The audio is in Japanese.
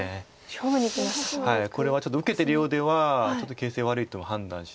これは受けてるようではちょっと形勢悪いと判断して。